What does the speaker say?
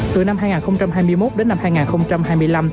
từ năm hai nghìn hai mươi một đến năm hai nghìn hai mươi năm